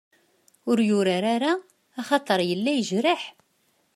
Ur yurar ara axaṭer yella yejreḥ.